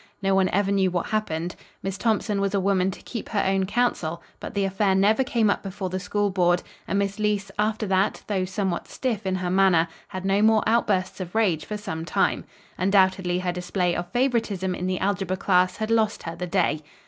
No one ever knew what happened. Miss Thompson was a woman to keep her own counsel; but the affair never came up before the School Board and Miss Leece, after that, though somewhat stiff in her manner, had no more outbursts of rage for some time. Undoubtedly her display of favoritism in the algebra class had lost her the day.